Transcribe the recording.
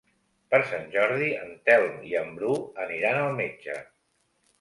Per Sant Jordi en Telm i en Bru aniran al metge.